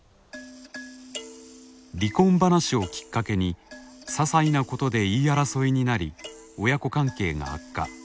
離婚話をきっかけにささいなことで言い争いになり親子関係が悪化。